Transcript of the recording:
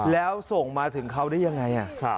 แล้วส่งมาถึงเขาได้ยังไง